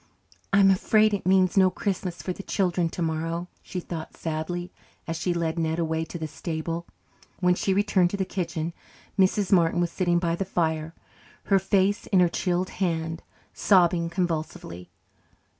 "I'm afraid it means no Christmas for the children tomorrow," she thought sadly, as she led Ned away to the stable. When she returned to the kitchen Mrs. Martin was sitting by the fire, her face in her chilled hand, sobbing convulsively.